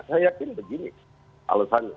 saya yakin begini alasannya